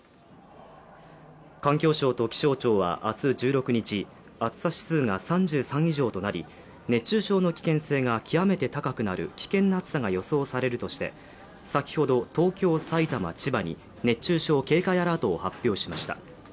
環境省と気象庁は明日１６日、暑さ指数が３３以上となり熱中症の危険性が極めて高くなる危険な暑さが予想されるとして先ほど東京、埼玉、千葉に熱中症警戒アラートを発表しました。